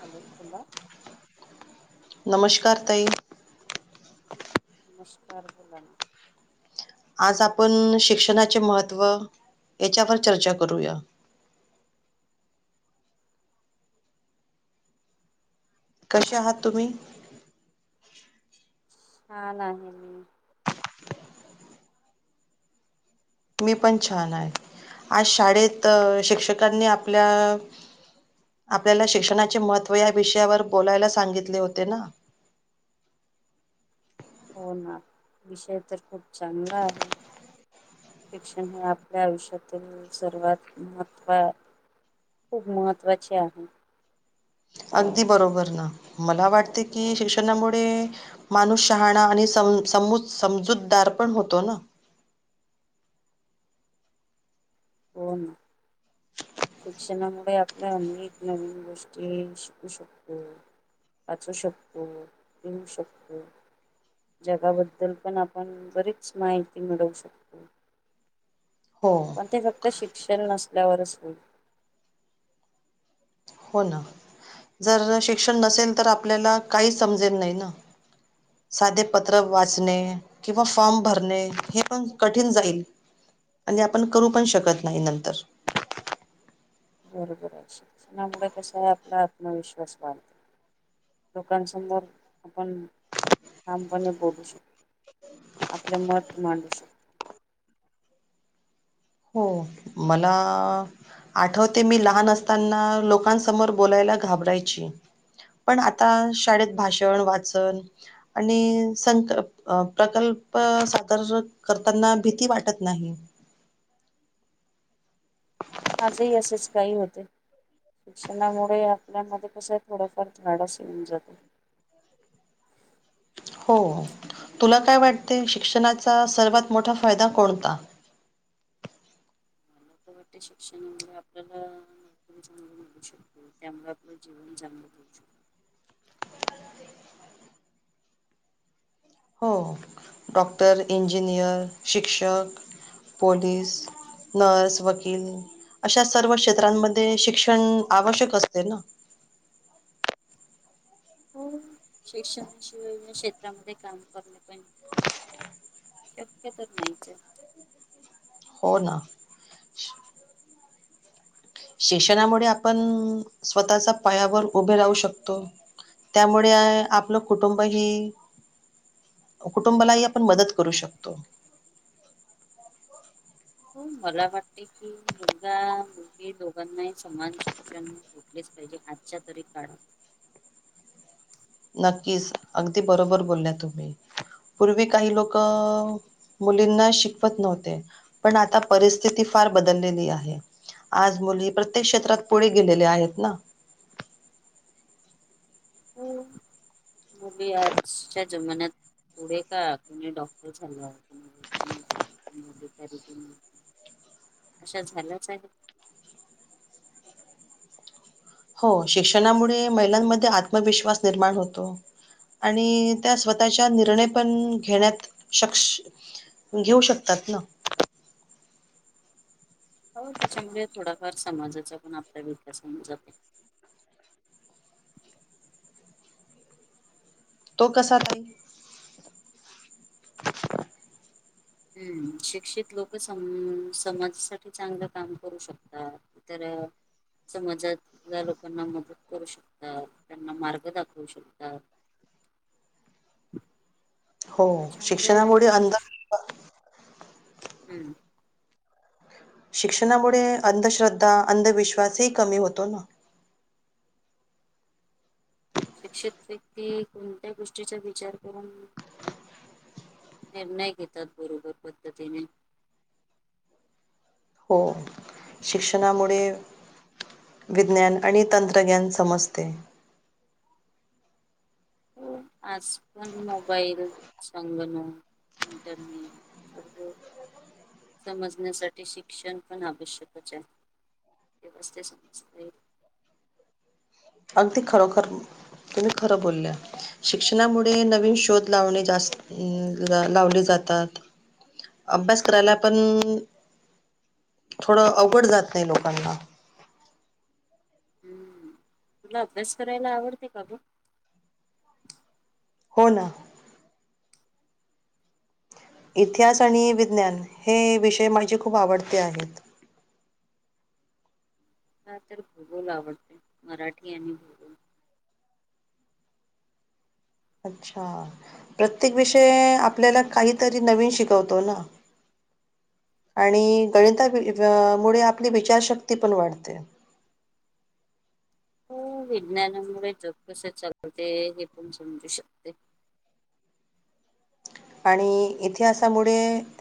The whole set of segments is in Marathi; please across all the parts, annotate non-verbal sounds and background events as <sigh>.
हॅलो बोला. नमस्कार ताई. नमस्कार बोला. आज आपण शिक्षणाचे महत्त्व याच्यावर चर्चा करूया. कसे आहात तुम्ही? छान आहे मी. मी पण छान आहे. आज शाळेत अ शिक्षकांनी आपल्या आपल्याला शिक्षणाचे महत्त्व या विषयावर बोलायला सांगितले होते ना. हो ना विषय तर खूप चांगला आहे. शिक्षण हे आपल्या आयुष्यातील सर्वात महत्व खूप महत्त्वाची आहे. अगदी बरोबर ना. मला वाटते की शिक्षणामुळे माणूस शहाणा आणि स सम समजूतदार पण होतो ना. हो ना. शिक्षणामुळे आपल्या अनेक नवीन गोष्टी शिकू शकतो. पाचू शक्तो लिहू शक्तो जगाबद्दल पण आपण बरीच माहिती मिळवू शकतो. हो. पण ते फक्त शिक्षण नसल्यावरच होईल. हो ना जर शिक्षण नसेल तर आपल्याला काहीच समजेल नाय ना साधे पत्र वाचणे. किंवा फॉर्म भरणे हे पण कठीण जाईल. म्हणजे आपण करू पण शकत नाही नंतर बरोबर आहे शिक्षणामुळे कसं आहे, आपला आत्मविश्वास वाढतो. लोकांसमोर आपण ठामपणे बोलू शकतो. आपले मत मांडू शक हो मला..... आठवते मी लहान असताना लोकांसमोर बोलायला घाबरायची. पण आता शाळेत भाषण वाचन आणि संक अ प्रकल्प सादर करताना भीती वाटत नाही. माझे ही असेच काही होते. शिक्षणामुळे आपल्यामध्ये कसं थोडंफार धाडस येऊन जाते. हो तुला काय वाटते शिक्षणाचा सर्वात मोठा फायदा कोणता व मोठी शिक्षण आपल्याला <unintelligible> शिकतो त्यामुळे आपलं जीवन जगण्याला देऊ शकतो. हो डॉक्टर इंजिनियर शिक्षक पोलीस नर्स वकील अशा सर्व क्षेत्रांमध्ये शिक्षण आवश्यक असते ना हो शिक्षणाशिवाय या क्षेत्रामध्ये काम करणे पण शक्य तर नाहीच हाय. हो ना. शिक्षणामुळे आपण स्वतःच्या पायावर उभे राहू शकतो. त्यामुळे आपलं कुटुंब ही अ कुटुंबालाही आपण मदत करू शकतो. हो मला वाटते की मुलगा मुलगी दोघांनाही समान शिक्षण भेठलेच पाहिजे आजच्या तरी काळात. नक्कीच अगदी बरोबर बोलल्या तुम्ही पूर्वी काही लोक अअअ मुलींना शिकवत नव्हते, पण आता परिस्थिती फार बदललेली आहे. आज मुली प्रत्येक क्षेत्रात पुढे गेलेले आहेत ना हम्, मबी आजच्या जमान्यात पुढे का कोणी डॉक्टर झालं आहे कोणी <unintelligible> अशा झाल्याच आहे. हो शिक्षणामुळे महिलांमध्ये आत्मविश्वास निर्माण होतो. आणि त्या स्वतःच्या निर्णय पण घेण्यात शक्ष घेऊ शकतात ना. हो त्याच्यामुळे थोडाफार समाजाचा पण आपला विकास होऊन जाते. तो कसा काय हम्म शिक्षित लोक सम समाजासाठी चांगलं काम करू शकतात. इ तर समाजातल्या लोकांना मदत करू शकतात, त्यांना मार्ग दाखवू शकतात. हो त्याच्यामध्ये शिक्षणामुळे अंध हम्मं शिक्षणामुळे अंधश्रद्धा अंधविश्वास हे कमी होतों ना शिक्षित व्यक्ती कोणत्या गोष्टींचा विचार करूंन निर्णय घेतात बरोबर पद्धतीनें हो शिक्षणामुळे विज्ञान आणि तंत्रज्ञान समजते आज पणं मोबाईल संगणक त्यांनी सर्व समजण्यासाठी शिक्षणं पणं आवश्यकच आहे व्यवस्थित दिसत नाहीं अगदीं खरों खरं तूम्ही खरं बोलल्या शिक्षणामुळे नवीन शोध लावणे जास्तं लावलें जातात अभ्यास करायला पणं थोडं अवघड जातं नाहीं लोकांना हम्मं तुला अभ्यास करायला आवडते कां गं हो ना इतिहास आणि विज्ञान हे विषय माझे खूंप आवडते आहेंत हं तरं भूगोल आवडते मराठी आणि भूगोल अच्छा प्रत्येक विषय आपल्याला काहीतरी नवीन शिकवतो ना आणि गणिता मुळें आपलीं विचारशक्ती पणं वाढते हो विज्ञानामुळे जग कसं चालवते हे पणं समजू शकते आणि इतिहासामुळे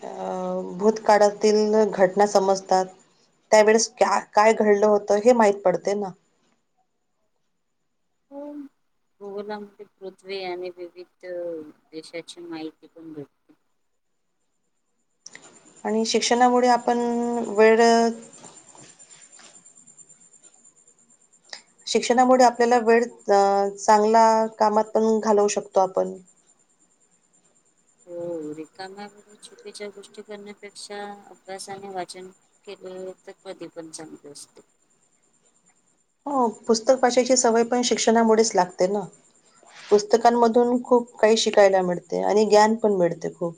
अं भूतकाळातील घटना समजतात त्यावेेळेस कायं घडलं होतं हे माहित पडते ना होम भूगोलामध्ये पृथ्वी आणि विविध देशांची माहिती पणं भेटते आणि शिक्षणामुळे आपणं वेळ शिक्षणामुळे आपल्याला वेळ अ चांगला कामांत पणं घालवू शकतो आपणं हो रिकाम्या वरून चुकीच्या गोष्टी करण्यापेक्षा अभ्यासाने वाचन केलं तरं कधीं पणं चांगले असतें हो पुस्तकं वाचायची सवयं पणं शिक्षणामुळे चं लागते ना पुस्तकांमधून खूंप काहीं शिकायला मिळतें आणि ज्ञान पणं मिळतें खूंप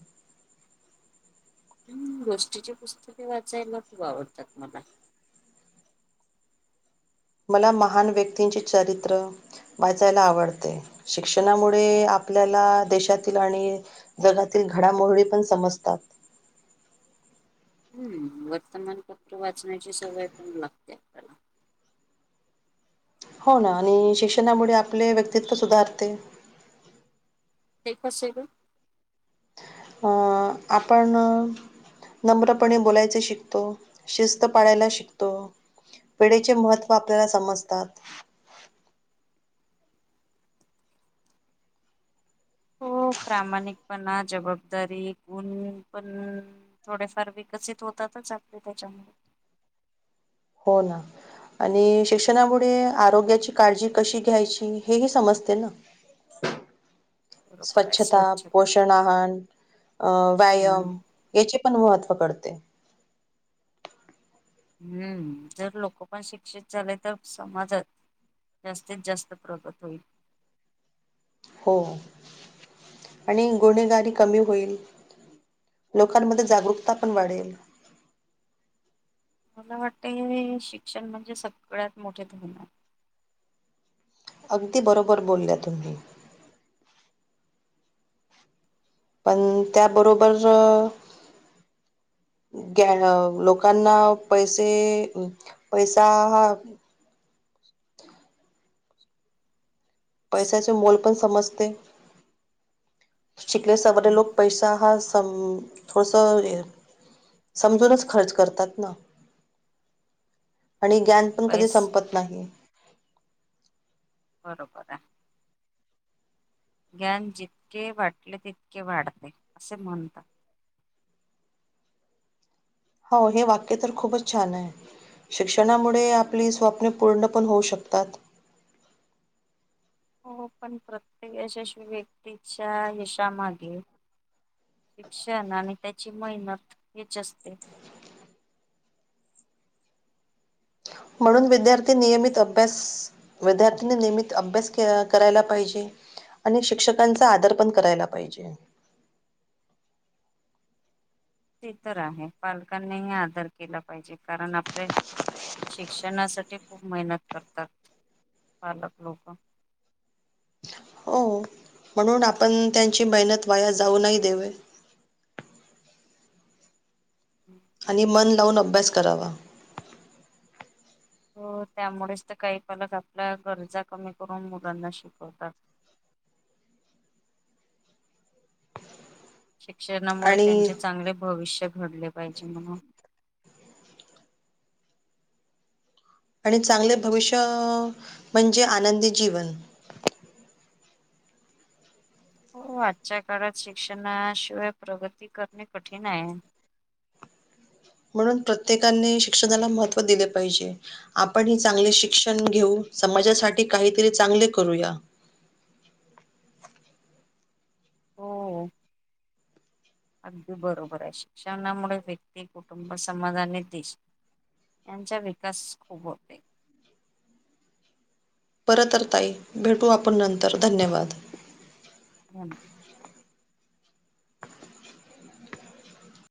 हं गोष्टीची पुस्तकें वाचायला खूंप आवडतात मला मला महान् व्यक्तींचे चरित्र वाचायला आवडते शिक्षणामुळे आपल्याला देशातील आणि जगातील घडामोहडी पणं समजतात हम्मं वर्तमानपत्र वाचण्याची सवयं पणं लागते आपल्याला हो ना आणि शिक्षणामुळे आपले व्यक्तित्व सुधारते पेपर सेगु हं आपणं नम्रपणे बोलायचे शिकतो शिस्त पाळायला शिकतो वेळेचे महत्त्वं आपल्याला समजतात हो प्रामाणिकपणा जबाबदारी गुण पणं थोडेफार विकसित होतातच आपले त्याच्यामुळे हो ना आणि शिक्षणामुळे आरोग्याची काळजी कशी घ्यायची हे ही समजते ना <inaudible> आहे स्वच्छता, स्वच्छ पोषण आहार अं हम्म. व्यायाम याचे पण महत्त्व कळते. हम्म जर लोक पण शिक्षित झाले तर समाजात जास्तीत जास्त प्रगत होईल. हो आणि गुन्हेगारी कमी होईल. लोकांमध्ये जागरूकता पण वाढेल. मला वाटतय शिक्षण म्हणजे सगळ्यात मोठे धोरण आहे. अगदी बरोबर बोलल्या तुम्ही पण त्याबरोबर ग लोकांना पैसे पैसा हा पैशाचे मोल पण समजते शिकले सवरे हम्म, लोक पैसा हा सं <unintelligible> समजूनच खर्च करतात ना आणि हम्म. ज्ञान पण कधी पैस संपत नाही. बरोबर आहे. ज्ञान जितके वाटले तितके वाढते असे म्हणतात. हो हे वाक्य तर खूपच छान आहे. शिक्षणामुळे आपली स्वप्न पूर्ण पण होऊ शकतात. हो पण प्रत्येक यशस्वी व्यक्तीच्या यशामागे शिक्षण आणि त्याची मेहनत हेच असते. म्हणून विद्यार्थी नियमित अभ्यास विद्यार्थीनी नियमित अभ्यास करायला पाहिजे. आणि शिक्षकांचा आदर पण करायला पाहिजे. ते तर आहे पालकांनीही आदर केला पाहिजे कारण आपले शिक्षणासाठी खूप मेहनत करतात पालक लोक हो म्हणून आपण त्यांची मेहनत वाया जाऊ नाही देवूयात. <unintelligible> आणि मन लावून अभ्यास करावा. त्यामुळेच तर काही पालक आपल्या गरजा कमी करून मुलांना शिकवतात. शिक्षणामुळे आणि त्यांचे चांगले भविष्य घडले पाहिजे म्हणून <inaudible> आणि चांगले भविष्य म्हणजे आनंदी जीवन. हो आजच्या काळात शिक्षणाशिवाय प्रगती करणे कठीण आहे. म्हणून प्रत्येकाने शिक्षणाला महत्त्व दिले पाहिजे. आपण ही चांगले शिक्षण घेऊ समाजासाठी काहीतरी चांगले करूया. हो. अगदी बरोबर आहे शिक्षणामुळे व्यक्ती कुटुंब समाधानी दिस यांचा विकास खूप होते. बरं तर ताई भेटू आपण नंतर धन्यवाद. <inaudible>